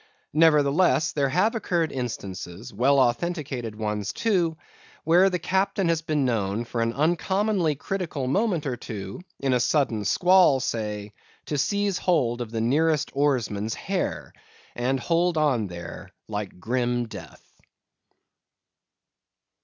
Nevertheless there have occurred instances, well authenticated ones too, where the captain has been known for an uncommonly critical moment or two, in a sudden squall say—to seize hold of the nearest oarsman's hair, and hold on there like grim death.